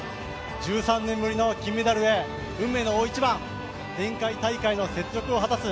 １３年ぶりの金メダルへ、運命の大一番、前回大会の雪辱を果たす